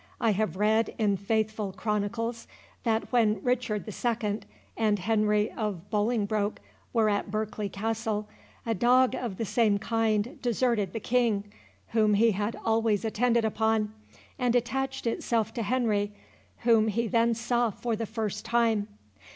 "I have read, in faithful chronicles, that when Richard II. and Henry of Bolingbroke were at Berkeley Castle, a dog of the same kind deserted the King, whom he had always attended upon, and attached himself to Henry, whom he then saw for the first time.